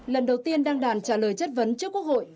lần đầu tiên đăng đàn trả lời chất vấn trước quốc hội